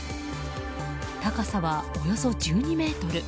高さは、およそ１２ｍ。